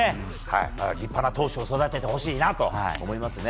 立派な投手を育ててほしいなと思いますね。